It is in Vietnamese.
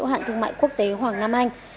công ty hiệu hạn thương mại quốc tế hoàng nam anh